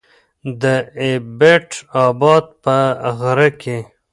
د ايبټ اباد په غره کې